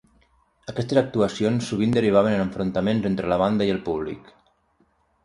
Aquestes actuacions sovint derivaven en enfrontaments entre la banda i el públic.